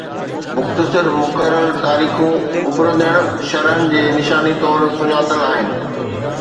مختصر مقرر تاريخون اڀرندڙ شرحن جي نشاني طور سڃاتل آھن